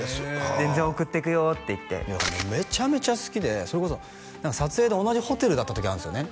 「全然送っていくよ」って言ってめちゃめちゃ好きでそれこそ撮影で同じホテルだった時あるんですよね？